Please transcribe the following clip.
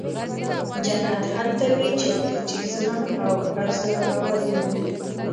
جنت هلته وي چېرته چې ظلم او ازارول نه وي.